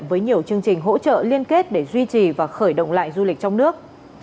với nhiều chương trình hỗ trợ liên kết để duy trì và khởi động lại du lịch trong nước